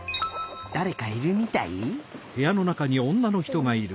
だれかいるみたい？